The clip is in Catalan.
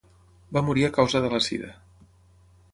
Va morir a causa de la sida.